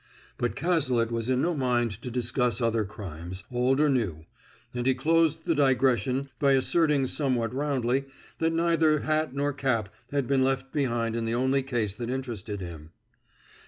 But Cazalet was in no mind to discuss other crimes, old or new; and he closed the digression by asserting somewhat roundly that neither hat nor cap had been left behind in the only case that interested him.